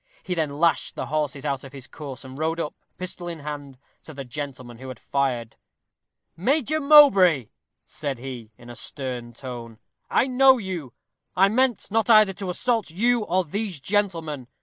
He then lashed the horses out of his course, and rode up, pistol in hand, to the gentleman who had fired. "Major Mowbray," said he, in a stern tone, "I know you. I meant not either to assault you or these gentlemen.